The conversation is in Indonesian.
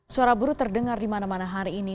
suara buruh terdengar di mana mana hari ini